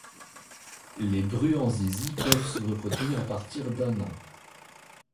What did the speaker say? Les bruants zizi peuvent se reproduire à partir d'un an.